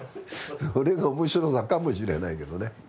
それが面白さかもしれないけどね。